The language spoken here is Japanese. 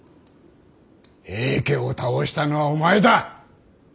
平家を倒したのはお前だ。